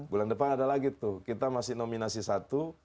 bulan depan ada lagi tuh kita masih nominasi satu